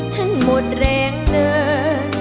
ฉันหมดแรงเดิน